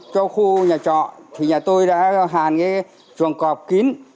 cho khu nhà trọ thì nhà tôi đã hàn cái chuồng cọp kín